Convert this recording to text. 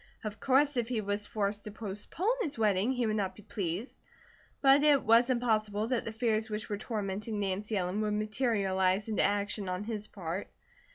Of course if he was forced to postpone his wedding he would not be pleased; but it was impossible that the fears which were tormenting Nancy Ellen would materialize into action on his part.